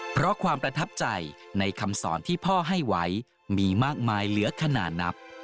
เพราะความประทับใจในคำสอนที่พ่อให้ไว้มีมากมายเหลือขนาดนับ